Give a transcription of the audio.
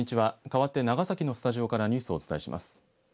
かわって長崎のスタジオからニュースをお伝えします。